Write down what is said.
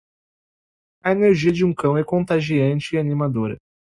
A energia de um cão é contagiante e animadora.